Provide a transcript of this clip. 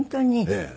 ええ。